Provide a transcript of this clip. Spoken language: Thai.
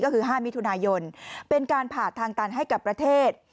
ก็คือ๕มิถุนายนเป็นการผ่าทางตันให้กับประเทศ